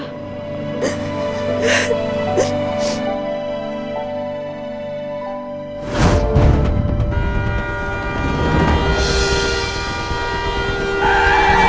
kalau inget kita harus pisah